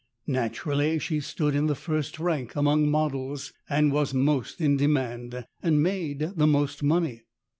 Naturally she stood in the first rank among models, was most in demand, and made the most money.